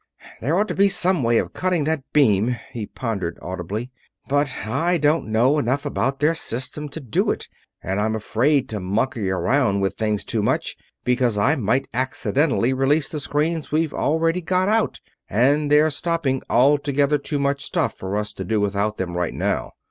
"There ought to be some way of cutting that beam," he pondered audibly, "but I don't know enough about their system to do it, and I'm afraid to monkey around with things too much, because I might accidentally release the screens we've already got out, and they're stopping altogether too much stuff for us to do without them right now."